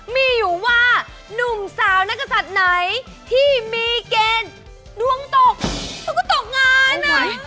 มีอยู่ว่านุ่มสาวนักศัตริย์ไหนที่มีเกณฑ์ดวงตกเขาก็ตกงาน